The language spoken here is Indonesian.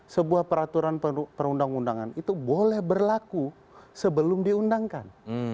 sebuah peraturan perundang undangan itu boleh berlaku sebelum diundangkan